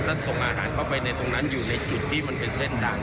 ถ้าส่งอาหารเข้าไปในตรงนั้นอยู่ในจุดที่มันเป็นเส้นดัง